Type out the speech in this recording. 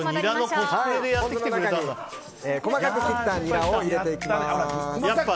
ポン酢に細かく切ったニラを入れていきます。